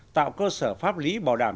tạo cơ sở pháp lý bảo đảm